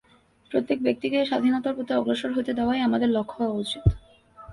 প্রত্যেক ব্যক্তিকে এই স্বাধীনতার পথে অগ্রসর হইতে দেওয়াই আমাদের লক্ষ্য হওয়া উচিত।